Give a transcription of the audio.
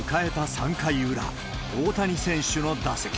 ３回裏、大谷選手の打席。